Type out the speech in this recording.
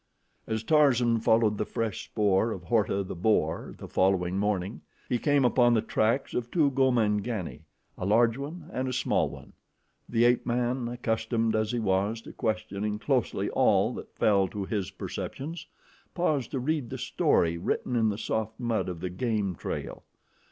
As Tarzan followed the fresh spoor of Horta, the boar, the following morning, he came upon the tracks of two Gomangani, a large one and a small one. The ape man, accustomed as he was to questioning closely all that fell to his perceptions, paused to read the story written in the soft mud of the game trail.